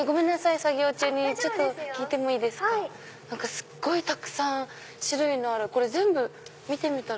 すごいたくさん種類のあるこれ全部見てみたら。